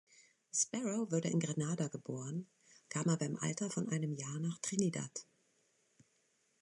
Sparrow wurde in Grenada geboren, kam aber im Alter von einem Jahr nach Trinidad.